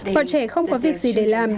bọn trẻ không có việc gì để làm